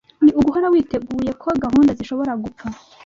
ni uguhora witeguye ko gahunda zishobora gupfa